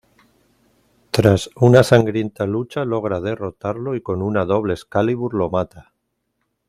Tras una sangrienta lucha logra derrotarlo y con una doble Excalibur lo mata.